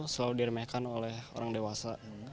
selalu diremehkan oleh orang dewasa